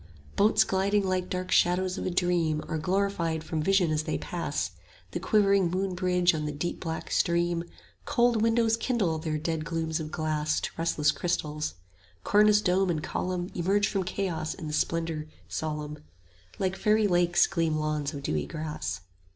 Boats gliding like dark shadows of a dream Are glorified from vision as they pass The quivering moonbridge on the deep black stream; 10 Cold windows kindle their dead glooms of glass To restless crystals; cornice dome and column Emerge from chaos in the splendour solemn; Like faery lakes gleam lawns of dewy grass.